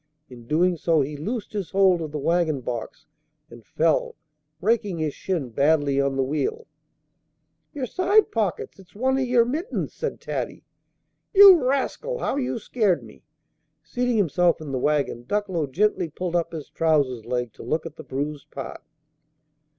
In doing so he loosed his hold of the wagon box and fell, raking his shin badly on the wheel. "Yer side pocket! It's one o' yer mittens!" said Taddy. "You rascal! How you scared me!" Seating himself in the wagon, Ducklow gently pulled up his trousers leg to look at the bruised part.